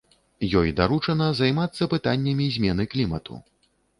Ёй даручана займацца пытаннямі змены клімату.